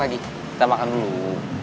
kita makan dulu